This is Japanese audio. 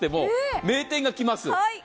名店が来ます。